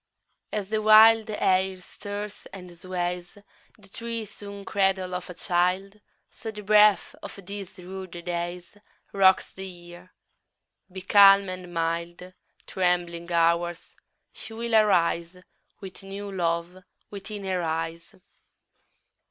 3. As the wild air stirs and sways The tree swung cradle of a child, So the breath of these rude days _15 Rocks the Year: be calm and mild, Trembling Hours, she will arise With new love within her eyes.